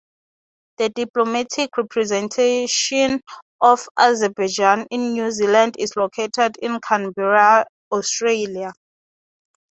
The diplomatic representation of Azerbaijan in New Zealand is located in Canberra (Australia).